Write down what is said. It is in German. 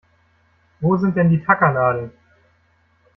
Wo sind denn die Tackernadeln?